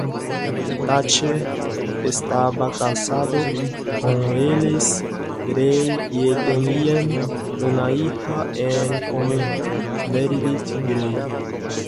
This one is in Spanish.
Thatcher estaba casado con Ellis Grey y tenían una hija en común: Meredith Grey.